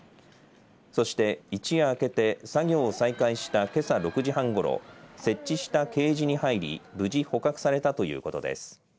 そして一夜明けて作業を再開したけさ６時半ごろ設置したケージに入り無事捕獲されたということです。